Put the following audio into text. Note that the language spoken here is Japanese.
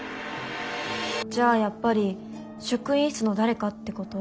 じゃあやっぱり職員室の誰かってこと？